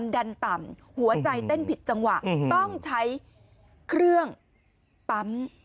ดันต่ำหัวใจเต้นผิดจังหวะต้องใช้เครื่องปั๊ม